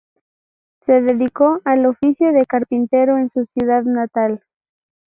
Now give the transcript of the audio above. Se dedicó al oficio de carpintero en su ciudad natal.